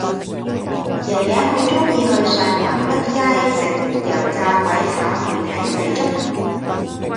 爺爺好鍾意去上環畢街食油炸鬼炒麵艇仔粥